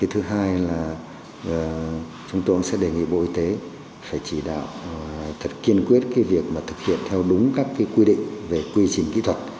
thứ hai là chúng tôi sẽ đề nghị bộ y tế phải chỉ đạo thật kiên quyết việc thực hiện theo đúng các quy định về quy trình kỹ thuật